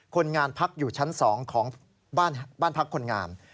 คนงานพักอยู่ชั้น๒ของบ้านพักคนงาม